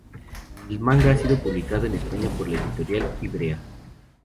El manga ha sido publicado en España por la Editorial Ivrea.